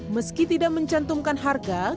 meski tidak mencantumkan harga